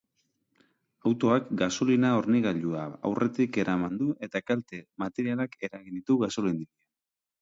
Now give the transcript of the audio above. Autoak gasolina-hornigailua aurretik eraman du eta kalte materialak eragin ditu gasolindegian.